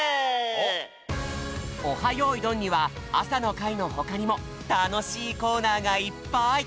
よいどん」には朝の会のほかにもたのしいコーナーがいっぱい！